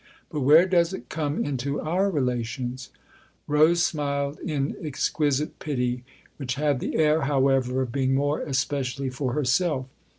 But where does it come into our relations ?" Rose smiled in exquisite pity, which had the air, however, of being more especially for herself.